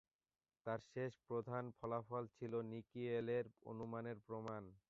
তার শেষ প্রধান ফলাফল ছিল নিকিয়েলের অনুমানের প্রমাণ।